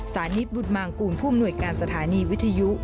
สานิทบุตมางกูลผู้อำนวยการสถานีวิทยุ